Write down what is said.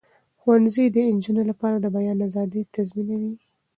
ښوونځي د نجونو لپاره د بیان آزادي تضمینوي.